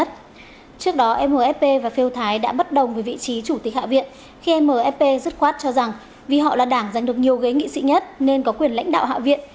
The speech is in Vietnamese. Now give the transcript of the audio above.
trước đó mfp và pheo thái đã bất đồng với vị trí chủ tịch hạ viện khi mfp dứt khoát cho rằng vì họ là đảng giành được nhiều ghế nghị sĩ nhất nên có quyền lãnh đạo hạ viện